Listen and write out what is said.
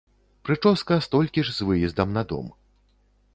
Прычоска столькі ж з выездам на дом.